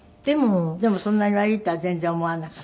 でもそんなに悪いとは全然思わなかった？